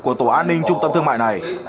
của tổ an ninh trung tâm thương mại này